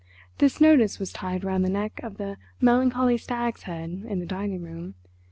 This notice was tied round the neck of the melancholy stag's head in the dining room.